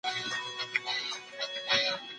زه بايد ليکنه وکړم.